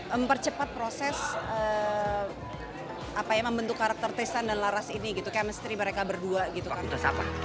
mempercepat proses apa yang membentuk karakter tristan dan laras ini gitu kemestri mereka berdua gitu kan